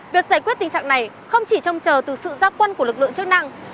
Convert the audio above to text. việc giải quyết tình trạng này không chỉ trông chờ từ sự gia quân của lực lượng chức năng